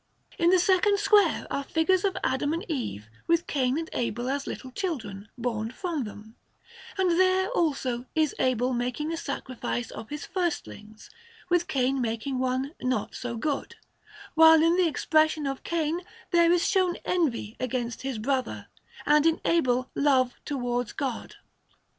In the second square are figures of Adam and Eve, with Cain and Abel as little children, born from them; and there, also, is Abel making a sacrifice of his firstlings, with Cain making one not so good, while in the expression of Cain there is shown envy against his brother, and in Abel love towards God.